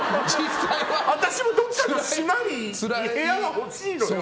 私もどこかの島に部屋がほしいのよ。